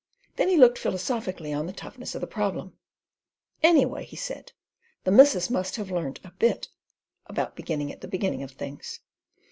Then he looked philosophically on the toughness of the problem: "Anyway," he said, "the missus must have learnt a bit about beginning at the beginning of things.